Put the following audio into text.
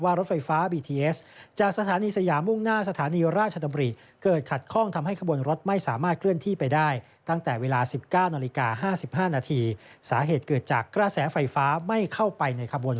ว่ารถไฟฟ้าบีทีเอสจากสถานีสยามว่งหน้าสถานีราชันบุริ